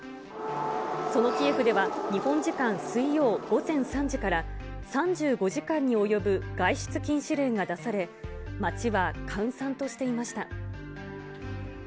そのキエフでは、日本時間、水曜午前３時から、３５時間に及ぶ外出禁止令が出され、街は閑散としていました。